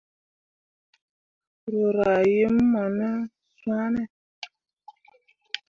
Raa rah him mo ne swane ?